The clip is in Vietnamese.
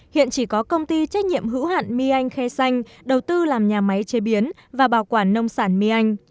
hiện chỉ có công ty trách nhiệm hữu hạn my anh khe xanh đầu tư làm nhà máy chế biến và bảo quản nông sản my anh